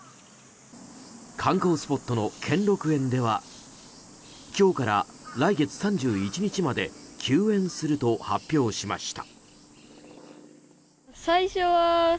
観光スポットの兼六園では今日から来月３１日まで休園すると発表しました。